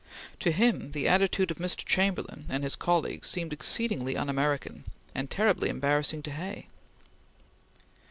To him the attitude of Mr. Chamberlain and his colleagues seemed exceedingly un American, and terribly embarrassing to Hay.